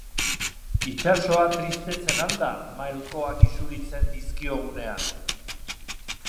Itsasoa tristetzen al da malkoak isuritzen dizkiogunean?